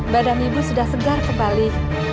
badan ibu sudah segar kembali